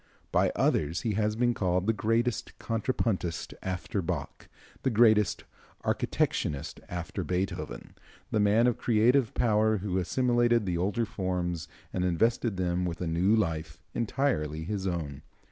By others he has been called the greatest contrapuntist after Bach, the greatest architectonist after Beethoven, the man of creative power who assimilated the older forms and invested them with a new life entirely his own.